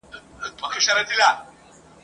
دا د استاد عبدالباري جهاني لومړی شعر دی !.